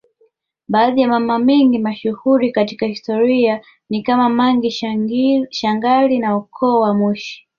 Baadhi ya Mamangi mashuhuri katika historia ni kama Mangi Shangali wa ukoo wa Mushi